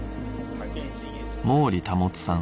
毛利保さん